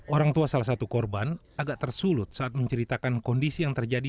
orang tua salah satu korban agak tersulut saat menceritakan kondisi yang terjadi